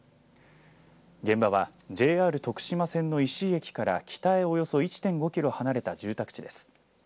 現場はＪＲ徳島線の石井駅から北へおよそ１．５キロ離れた住宅地です。